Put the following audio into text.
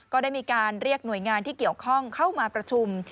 ก็ได้มีการเรียกหน่วยงานที่เกี่ยวข้องเข้ามาประชุม